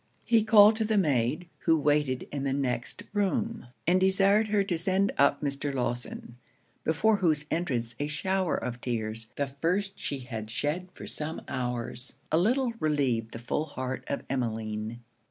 He called to the maid, who waited in the next room, and desired her to send up Mr. Lawson; before whose entrance a shower of tears, the first she had shed for some hours, a little relieved the full heart of Emmeline.